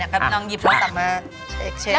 แล้วคุณพูดกับอันนี้ก็ไม่รู้นะผมว่ามันความเป็นส่วนตัวซึ่งกัน